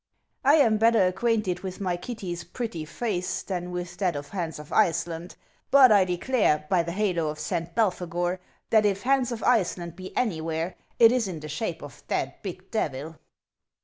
" I am better acquainted with my Kitty's pretty face than with that of Hans of Iceland ; but I declare, by the halo of Saint Belphegor, that if Hans of Iceland be anywhere, it is in the shape of that big devil."